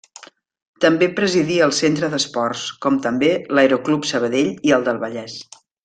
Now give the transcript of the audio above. També presidí el Centre d'Esports, com també l'Aeroclub Sabadell i el del Vallès.